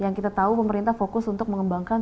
yang kita tahu pemerintah fokus untuk mengembangkan